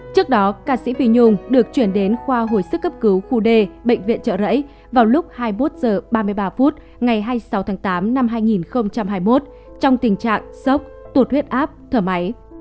trước đó ca sĩ vi nhung được chuyển đến khoa hồi sức cấp cứu khu d bệnh viện trợ rẫy vào lúc hai mươi một h ba mươi ba phút ngày hai mươi sáu tháng tám năm hai nghìn hai mươi một trong tình trạng sốc tụt huyết áp thở máy